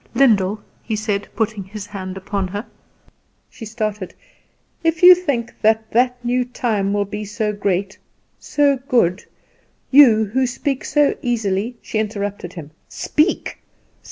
"Lyndall," he said, putting his hand upon her she started "if you think that that new time will be so great, so good, you who speak so easily " She interrupted him. "Speak!